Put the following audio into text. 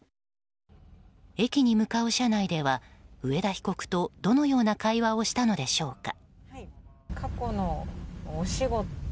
駅に向かう車内では上田被告とどのような会話をしたのでしょうか。